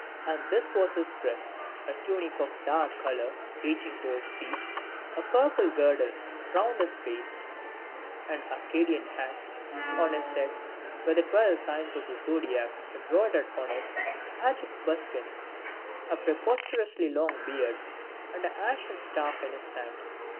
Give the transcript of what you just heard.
And this was his dress : a tunic of a dark colour reaching to his feet, and a purple girdle round his waist, an Arcadian hat on his head with the twelve signs of the zodiac embroidered on it, tragic buskins, a preposterously long beard, and an ashen staff in his hand.